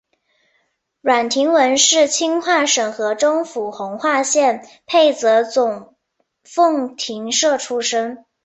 阮廷闻是清化省河中府弘化县沛泽总凤亭社出生。